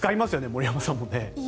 森山さんもね。